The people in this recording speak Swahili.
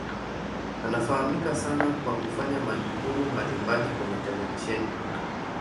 Anafahamika sana kwa kufanya majukumu mbalimbali kwenye televisheni.